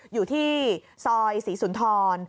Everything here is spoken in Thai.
อยู่ที่ซอยศีษธร